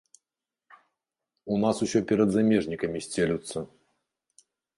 У нас усё перад замежнікамі сцелюцца.